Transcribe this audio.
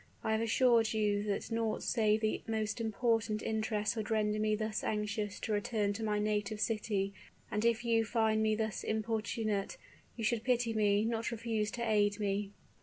I have assured you that naught save the most important interests would render me thus anxious to return to my native city; and if you find me thus importunate, you should pity me, not refuse to aid me."